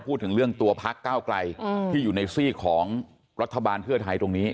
พูดถึงเรื่องตัวพักก้าวไกลที่อยู่ในซีกของรัฐบาลเพื่อไทยตรงนี้